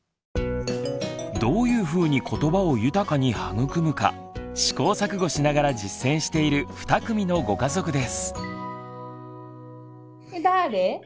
どういうふうにことばを豊かに育むか試行錯誤しながら実践している２組のご家族です。